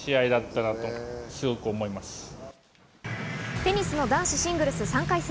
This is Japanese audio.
テニスの男子シングルス３回戦。